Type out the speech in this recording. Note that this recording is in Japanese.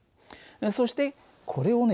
そしてこれをね